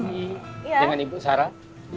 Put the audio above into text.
ini dengan ibu sarah